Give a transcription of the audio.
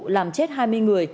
làm chết hai mươi người